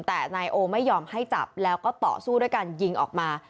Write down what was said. แต่นายโอไม่ยอมให้จับแล้วก็ต่อสู้ด้วยการยิงออกมา